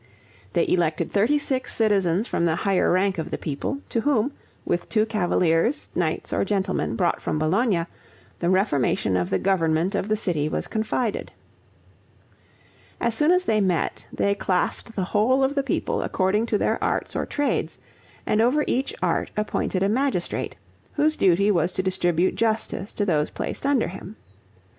They elected thirty six citizens from the higher rank of the people, to whom, with two cavaliers, knights or gentlemen, brought from Bologna, the reformation of the government of the city was confided. As soon as they met, they classed the whole of the people according to their arts or trades, and over each art appointed a magistrate, whose duty was to distribute justice to those placed under him.